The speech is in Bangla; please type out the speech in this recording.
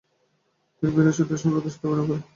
তিনি বিভিন্ন চরিত্রে সফলতার সাথে অভিনয় করেন।